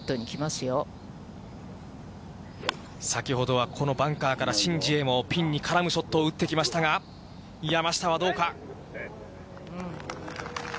先ほどは、このバンカーからシン・ジエもピンに絡むショットを打ってきましたが、山下はどうか。